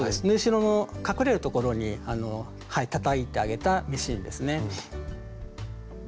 縫い代の隠れるところにたたいてあげたミシンですね。